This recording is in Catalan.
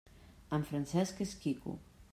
En Francesc és quico.